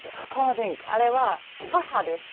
あれは母です。